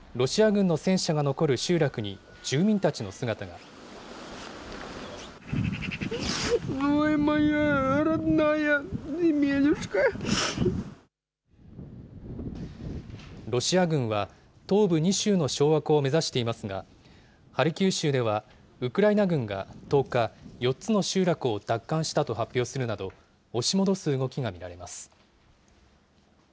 ロシア軍は東部２州の掌握を目指していますが、ハルキウ州ではウクライナ軍が１０日、４つの集落を奪還したと発表するなど、押し戻す動きが見られます。